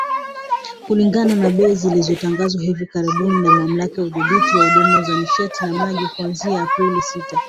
Kulingana na bei zilizotangazwa hivi karibuni na Mamlaka ya Udhibiti wa Huduma za Nishati na Maji, kuanzia Aprili Sita